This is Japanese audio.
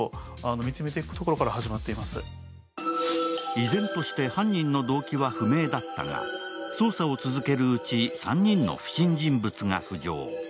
依然として犯人の動機は不明だったが、捜査を続けるうち３人の不審人物が浮上。